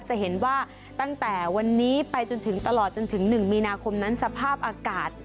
จะเห็นว่าตั้งแต่วันนี้ไปจนถึงตลอดจนถึง๑มีนาคมนั้นสภาพอากาศ